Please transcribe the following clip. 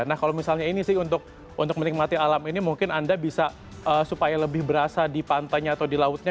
nah kalau misalnya ini sih untuk menikmati alam ini mungkin anda bisa supaya lebih berasa di pantainya atau di lautnya